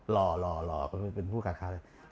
หล่อเป็นผู้ประกาศข่าวเลย